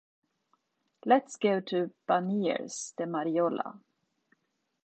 Let's go to Banyeres de Mariola.